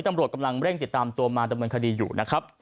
ตำรวจกำลังเร่งติดตามตัวมาดำเนินคดีอยู่นะครับ